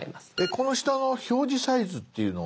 この下の「表示サイズ」っていうのは。